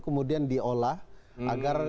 kemudian diolah agar